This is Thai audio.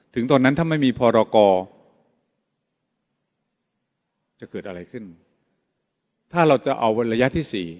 ตอนนั้นถ้าไม่มีพรกรจะเกิดอะไรขึ้นถ้าเราจะเอาวันระยะที่สี่